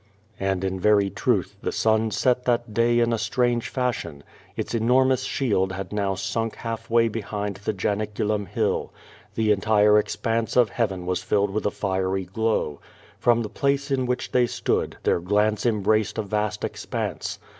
And in very truth the sun set that day in strange fashion. Its enormous shield had now sunk halfway behind the Jani culum Hill. The entire expanse of heaven was filled with a fiery gloAv. From the place in wliich they stood, their glance embraced a vast expanse.